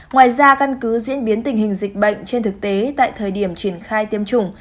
ngoài ra căn cứ diễn biến tình hình dịch bệnh trên thực tế tại thời điểm triển khai tiêm chủng